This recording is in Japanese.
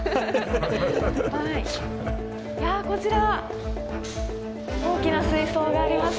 こちら大きな水槽がありますよ。